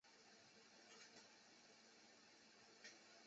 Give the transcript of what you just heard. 客人点了四十三大披萨